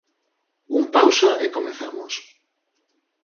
Un pausa e comezamos.